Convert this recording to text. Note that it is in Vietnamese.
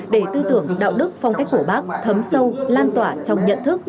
để tư tưởng đạo đức phong cách của bác thấm sâu lan tỏa trong nhận thức